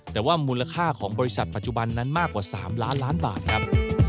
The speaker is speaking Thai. แต่ว่ามูลค่าของบริษัทปัจจุบันนั้นมากกว่า๓ล้านล้านบาทครับ